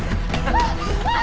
あっ！